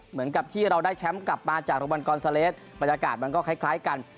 เหมือนกับที่เราได้แชมป์กลับมาจากโรงพยาบาลกรซาเลสบรรยากาศมันก็คล้ายกัน